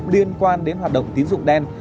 liên quan đến hoạt động tín dụng đen